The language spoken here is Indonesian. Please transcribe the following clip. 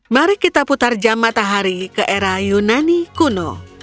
mari kita putar jam matahari ke era yunani kuno